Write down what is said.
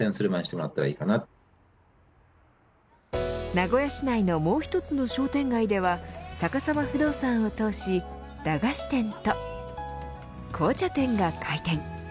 名古屋市内のもう一つの商店街ではさかさま不動産を通し駄菓子店と紅茶店が開店。